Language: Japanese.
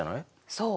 そう。